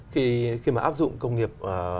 khi mà áp dụng công nghiệp bốn